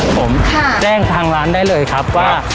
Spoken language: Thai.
ผมแจ้งทางร้านได้เลยครับว่า